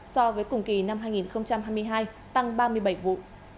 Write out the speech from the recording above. so với cùng kỳ năm hai nghìn hai mươi hai tăng ba mươi bảy vụ